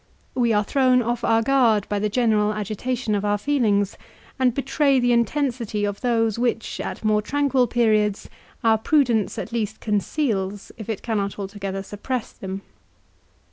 We are thrown off our guard by the general agitation of our feelings, and betray the intensity of those, which, at more tranquil periods, our prudence at least conceals, if it cannot altogether suppress them.